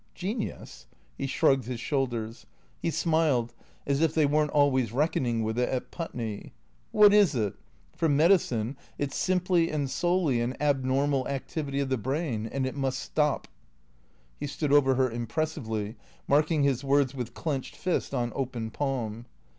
"Genius?" He shrugged his shoulders. He smiled (as if they weren't always reckoning with it at Putney!). " AVhat is it ? For medicine it 's simply and solely an abnormal activity of the brain. And it must stop." He stood over her impressively, marking his words with clenched fist on open palm.